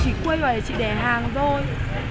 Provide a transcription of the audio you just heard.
chị quây vào đây chị để hàng rồi